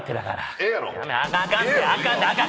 ええやろ？